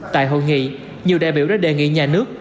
tại hội nghị nhiều đại biểu đã đề nghị nhà nước